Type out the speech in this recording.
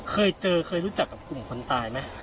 เคยเจอเคยรู้จักกับกลุ่มคนตายไหม